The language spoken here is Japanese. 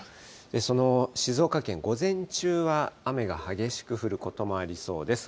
その静岡県、午前中は雨が激しく降ることもありそうです。